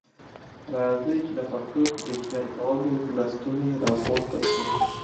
راځئ چي د پښتو په ډيجيټل کولو کي لستوڼي را پورته کړو.